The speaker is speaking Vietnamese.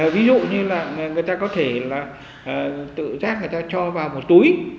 ví dụ như là người ta có thể tự rác người ta cho vào một túi